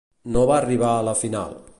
No va arribar a la final.